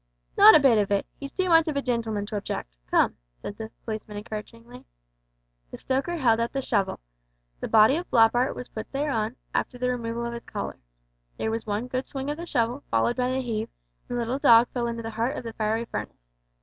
"Not a bit of it, he's too much of a gentleman to object come," said the policeman encouragingly. The stoker held up the shovel. The body of Floppart was put thereon, after the removal of its collar. There was one good swing of the shovel, followed by a heave, and the little dog fell into the heart of the fiery furnace.